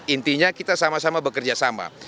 intinya kita sama sama bekerja sama